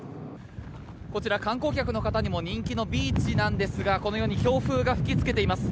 こちら、観光客の方にも人気のビーチなんですがこのように強風が吹きつけています。